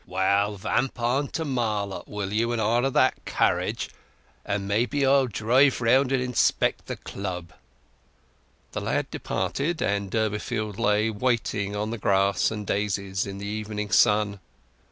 Well, vamp on to Marlott, will ye, and order that carriage, and maybe I'll drive round and inspect the club." The lad departed, and Durbeyfield lay waiting on the grass and daisies in the evening sun.